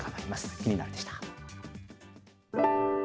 キニナル！でした。